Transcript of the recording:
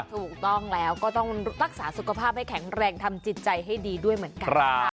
ถูกต้องแล้วก็ต้องรักษาสุขภาพให้แข็งแรงทำจิตใจให้ดีด้วยเหมือนกัน